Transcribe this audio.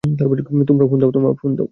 তোমার ফোন দাও।